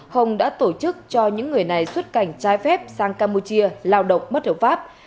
hồng đã tổ chức cho những người này xuất cảnh trái phép sang campuchia lao động bất hợp pháp